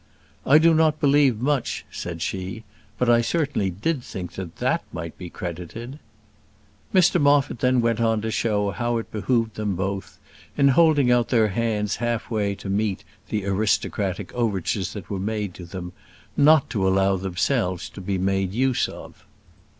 "I do not believe much," said she; "but I certainly did think that that might be credited." Mr Moffat then went on to show how it behoved them both, in holding out their hands half way to meet the aristocratic overtures that were made to them, not to allow themselves to be made use of.